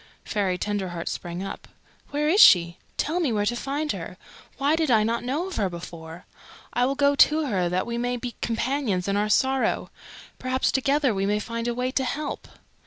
Fairy Tenderheart sprang up. "Where is she? Tell me where to find her. Why did I not know of her before? I will go to her that we may be companions in our sorrow. Perhaps together we may find a way to help."